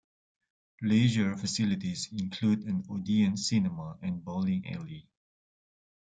Leisure facilities include an Odeon cinema and bowling alley.